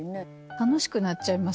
楽しくなっちゃいますね